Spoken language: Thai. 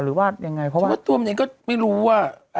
หรือว่าไงเพราะว่าตัวเมนูยังก็ไม่รู้อ่ะ